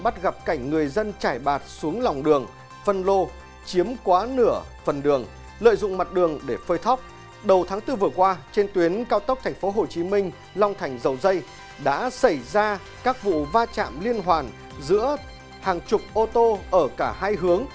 trước vừa qua trên tuyến cao tốc tp hcm long thành dầu dây đã xảy ra các vụ va chạm liên hoàn giữa hàng chục ô tô ở cả hai hướng